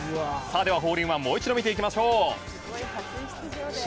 では、ホールインワンもう一度見ていきましょう。